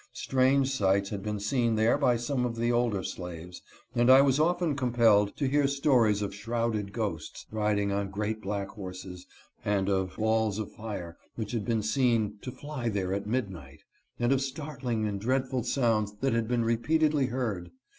Strange sights had been seen there by some of the older slaves, and I was often compelled to hear stories of shrouded ghosts, riding on great black horses, and of balls of fire which had been seen to fly there at midnight, and of startling and dreadful sounds that had been repeatedly heard.